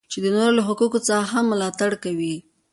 چې د نورو له حقوقو څخه هم ملاتړ کوي.